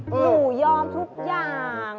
หนูยอมทุกอย่าง